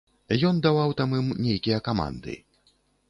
Ён даваў там ім нейкія каманды.